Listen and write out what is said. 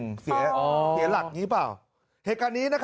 ตอบหัวเสียเหลักอย่างงี้เปล่าเนี้ย